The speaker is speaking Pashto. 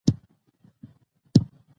شپه وه، زه د سهار په تمه ناست وم.